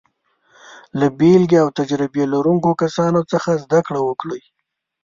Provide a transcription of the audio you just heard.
له بېلګې او تجربه لرونکو کسانو څخه زده کړه وکړئ.